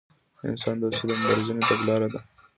انسان دوستي د مبارزینو تګلاره ده.